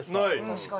確かに。